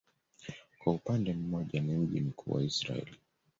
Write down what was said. Kwa upande mmoja ni mji mkuu wa Israel.